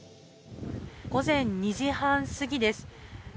午前２時半過ぎです。